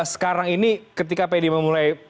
sekarang ini ketika pdi memulai